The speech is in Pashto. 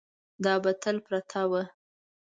دا به تل پرته وه.